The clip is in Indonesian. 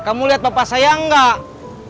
kamu lihat bapak saya enggak